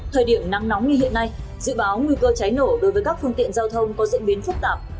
thời điểm nắng nóng như hiện nay dự báo nguy cơ cháy nổ đối với các phương tiện giao thông có diễn biến phức tạp